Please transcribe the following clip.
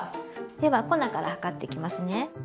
では粉から量っていきますね。